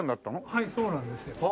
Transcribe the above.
はいそうなんですよ。